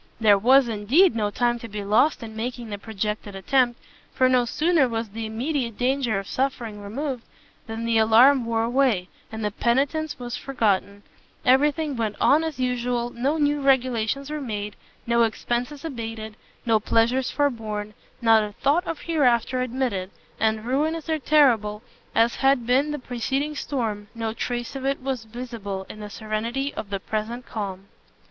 There was, indeed, no time to be lost in making the projected attempt, for no sooner was the immediate danger of suffering removed, than the alarm wore away, and the penitence was forgotten; every thing went on as usual, no new regulations were made, no expences abated, no pleasures forborn, not a thought of hereafter admitted: and ruinous and terrible as had been the preceding storm, no trace of it was visible in the serenity of the present calm.